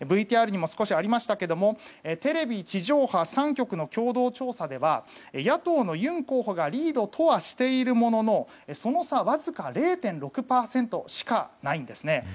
ＶＴＲにも少しありましたがテレビ地上波３局の共同調査では、野党のユン候補がリードとはしているもののその差わずか０．６％しかないんですね。